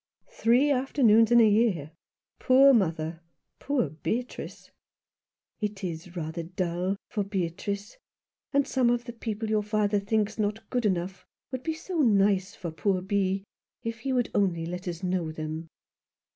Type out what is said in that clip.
"Three afternoons in a year? Poor mother! Poor Beatrice !" "It is rather dull — for Beatrice. And some of the people your father thinks not good enough would be so nice for poor Bee, if he would only let us know them."